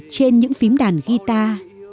trên những phím đàn guitar